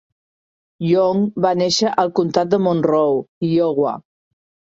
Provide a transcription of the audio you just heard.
Young va néixer al Comtat de Monroe, Iowa.